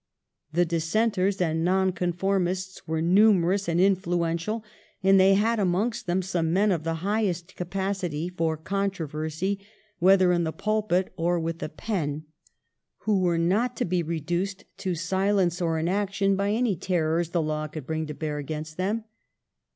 The Dissenters and Nonconformists were numerous and influential, and they had amongst them some men of the highest capacity for controversy, whether in the pulpit or with the pen, who were not to be reduced to silence or inaction by any terrors the law could bring to bear against them.